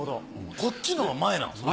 こっちのほうが前なんですか？